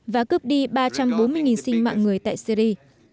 và cướp đi ba trăm bốn mươi sinh mạng người tại syri